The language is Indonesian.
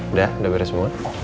udah udah beres semua